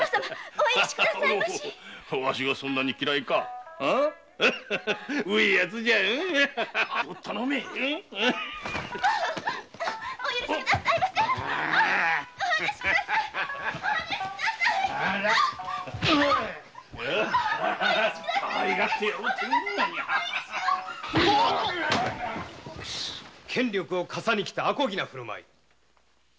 お離し下さい権力をかさにきたあこぎな振る舞い許せん